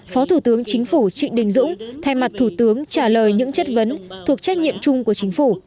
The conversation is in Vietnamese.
phó thủ tướng chính phủ trịnh đình dũng thay mặt thủ tướng trả lời những chất vấn thuộc trách nhiệm chung của chính phủ